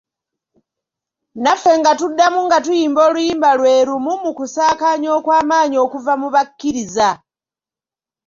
Naffe nga tuddamu nga tuyimba oluyimba lwe lumu, mu kusaakaanya okw'amaanyi okuva mu bakkiriza!